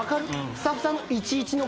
スタッフさんの１対１の構造。